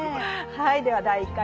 はいでは第１回